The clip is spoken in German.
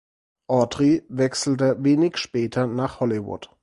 Autry wechselte wenig später nach Hollywood.